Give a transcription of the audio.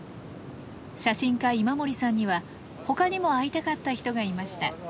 写真家今森さんには他にも会いたかった人がいました。